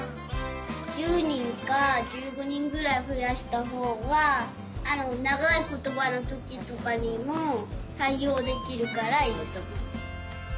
１０にんか１５にんぐらいふやしたほうがながいことばのときとかにもたいおうできるからいいとおもう。